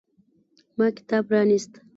ما کتاب پرانیست.